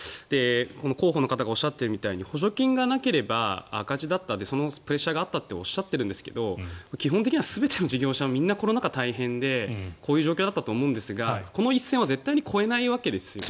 広報の方がおっしゃっているみたいに補助金がなければ赤字だったとそのプレッシャーがあったとおっしゃっていますが基本的には全ての事業者がみんなコロナ禍、大変でこういう状況だったと思うんですがこの一線は絶対に越えないわけですよね。